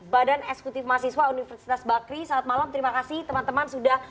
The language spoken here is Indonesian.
badan eksekutif mahasiswa universitas bakri selamat malam terima kasih teman teman sudah